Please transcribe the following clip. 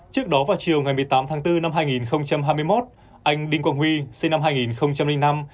trước đó vào chiều ngày một mươi tám tháng bốn năm hai nghìn hai mươi một anh đinh quang huy sinh năm hai nghìn năm